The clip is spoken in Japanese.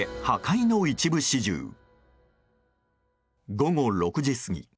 午後６時過ぎ。